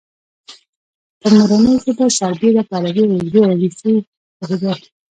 په مورنۍ ژبه سربېره په عربي، اردو او انګلیسي پوهېده.